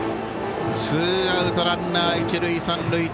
ツーアウトランナー、一塁三塁。